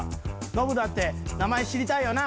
ノブだって名前知りたいよな？」